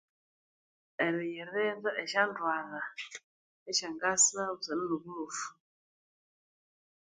Eriyirinda esya ndwalha esyangasa busana noburofu.